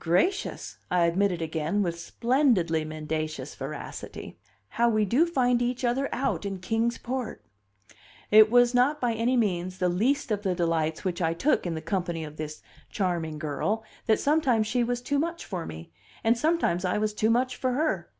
"Gracious!" I admitted again with splendidly mendacious veracity. "How we do find each other out in Kings Port!" It was not by any means the least of the delights which I took in the company of this charming girl that sometimes she was too much for me, and sometimes I was too much for her.